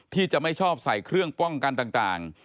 ที่จะไม่ชอบใส่เครื่องป้องกันต่าง